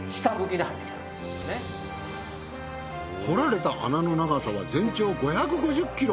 掘られた穴の長さは全長５５０ｋｍ。